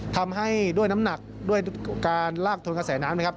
ทำให้ด้วยน้ำหนักด้วยการลากทนกระแสน้ำนะครับ